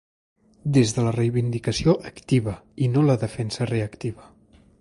Des de la reivindicació activa i no la defensa reactiva.